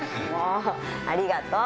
ありがとう。